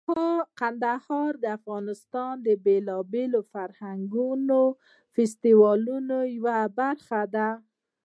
کندهار د افغانستان د بیلابیلو فرهنګي فستیوالونو یوه برخه ده.